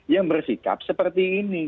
yang bersikap seperti ini